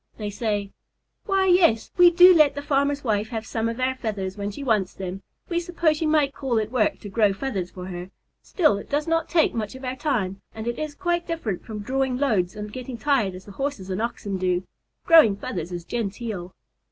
they say, "Why, yes, we do let the farmer's wife have some of our feathers when she wants them. We suppose you might call it work to grow feathers for her, still it does not take much of our time, and it is quite different from drawing loads and getting tired as the Horses and Oxen do. Growing feathers is genteel."